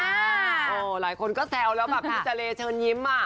หลายคนก็แซวแล้วแบบพี่เจรเชิญยิ้มอ่ะ